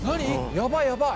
やばいやばい。